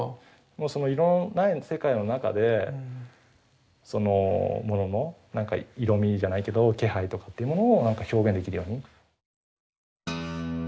もうその色のない世界の中でそのものの色みじゃないけど気配とかっていうものを表現できるように。